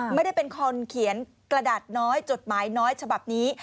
ไม่ได้เป็นคนเขียนกระดาษน้อยจดหมายน้อยฉบับนี้